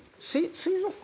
水族館。